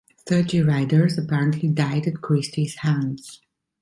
Thirty riders apparently died at Christie's hands.